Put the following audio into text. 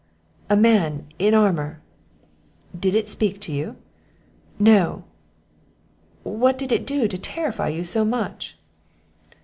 "A man in armour." "Did it speak to you?" "No." "What did it do to terrify you so much?"